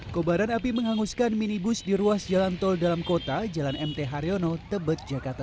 kobaran api menghanguskan minibus di ruas jalan tol dalam kota jalan mt haryono tebet jakarta